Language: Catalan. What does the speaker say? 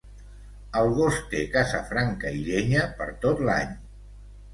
El gos té casa franca i llenya per tot l'any.